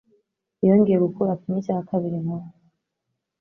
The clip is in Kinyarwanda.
Yongeye gukura kimwe cya kabiri nka we.